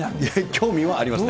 興味はありますね。